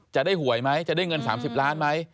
หวยไหมจะได้เงิน๓๐ล้านไหม